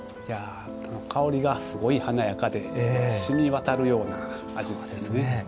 いや香りがすごい華やかでしみわたるような味ですね。